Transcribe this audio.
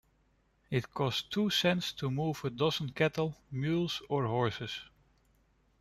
It cost two cents to move a dozen cattle, mules or horses.